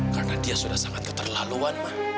karena dia sudah sangat keterlaluan mbak